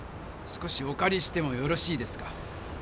少しおかりしてもよろしいですか？